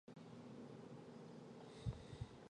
大花独蒜兰为兰科独蒜兰属下的一个种。